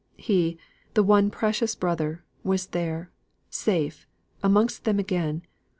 He, the one precious brother, was there, safe, amongst them again!